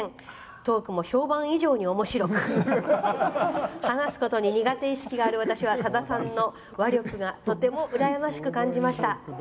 トークも評判以上におもしろく話すことに苦手意識がある私はさださんの話力がとてもうらやましく感じました。